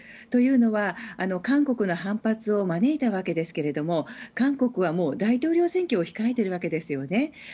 というのは、韓国の反発を招いたわけですけれども韓国は大統領選挙を控えているわけです。